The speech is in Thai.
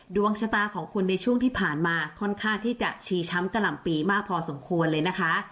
ดวงชะตาของคุณในช่วงที่ผ่านมาค่อนข้างที่จะชีช้ำกะหล่ำปีมากพอสมควรเลยนะคะ